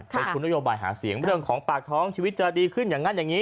เป็นคุณนโยบายหาเสียงเรื่องของปากท้องชีวิตจะดีขึ้นอย่างนั้นอย่างนี้